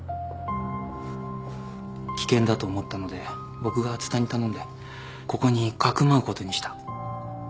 危険だと思ったので僕が蔦に頼んでここにかくまうことにした。